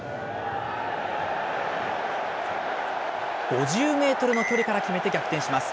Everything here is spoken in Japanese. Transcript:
５０メートルの距離から決めて逆転します。